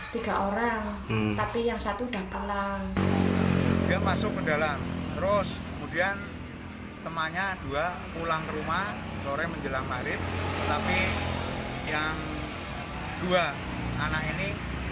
tetapi yang dua anak ini belum kembali